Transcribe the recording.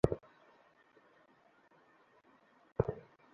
Police ঘটনাস্থল থেকে শওকত, রছমত, ইসমাইল, হিরু নামের চার ব্যক্তিকে আটক করেছে।